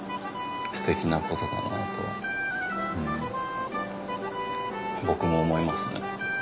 すてきなことだなと僕も思いますね。